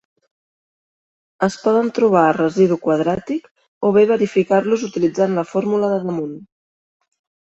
Es poden trobar residu quadràtic o bé verificar-los utilitzant la fórmula de damunt.